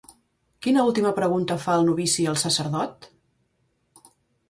Quina última pregunta fa el novici al sacerdot?